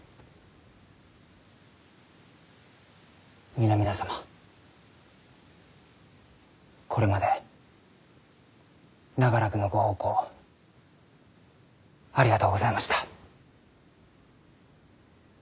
皆々様これまで長らくのご奉公ありがとうございました。